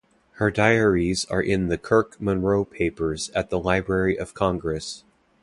Her diaries are in the Kirk Munroe Papers at the Library of Congress.